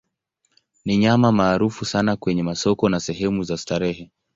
Ni nyama maarufu sana kwenye masoko na sehemu za starehe.